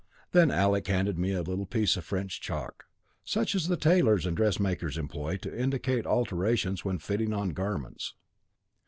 Then Alec handed to me a little piece of French chalk, such as tailors and dressmakers employ to indicate alterations when fitting on garments.